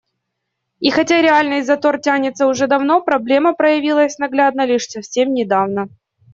И хотя реальный затор тянется уже давно, проблема проявилась наглядно лишь совсем недавно.